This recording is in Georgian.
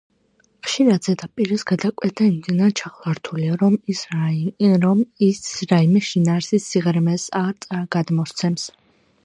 ხშირად ზედაპირების გადაკვეთა იმდენად ჩახლართულია, რომ ის რაიმე შინაარსის სიღრმეს არ გადმოსცემს.